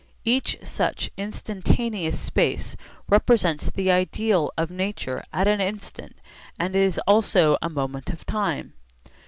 Each such instantaneous space represents the ideal of nature at an instant and is also a moment of time.